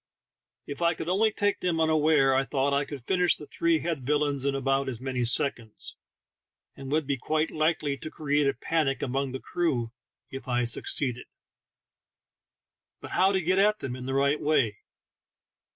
If I could only take them unawares, I thought, I could finish the three head villains in about as many seconds, and would be quite likely to create a panic among the crew if I succeeded. But how to get at them in the right way?